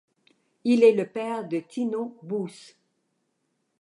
Il est le père de Tino Boos.